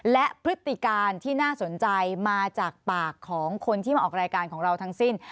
และพฤติการที่น่าสนใจมาจากปากของคนที่มาออกรายการของเราทั้งสิ้น